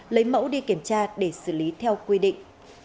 lấy mẫu đi kiểm tra để xử lý theo quy định